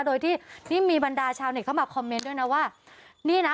โดยที่นี่มีบรรดาชาวเน็ตเข้ามาคอมเมนต์ด้วยนะว่านี่นะ